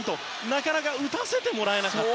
なかなか打たせてもらえなかった。